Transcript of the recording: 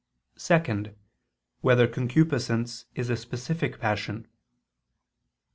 (2) Whether concupiscence is a specific passion?